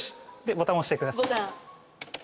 ボタン押してください。